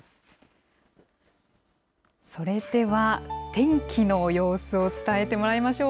それでは天気の様子を伝えてもらいましょう。